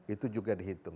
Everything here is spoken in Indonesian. itu juga dihitung